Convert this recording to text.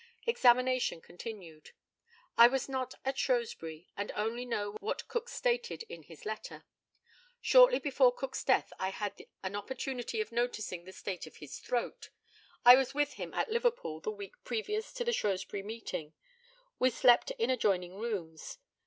Examination continued: I was not at Shrewsbury, and only know what Cook stated in his letter. Shortly before Cook's death I had an opportunity of noticing the state of his throat. I was with him at Liverpool the week previous to the Shrewsbury meeting. We slept in adjoining rooms.